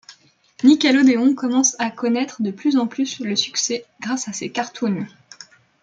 Nickelodeon commence à connaître de plus en plus le succès grâce à ses cartoon.